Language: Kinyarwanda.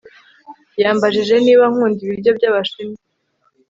Yambajije niba nkunda ibiryo byAbashinwa